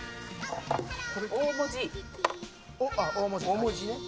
大文字ね。